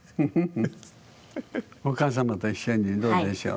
お母様と一緒にどうでしょう。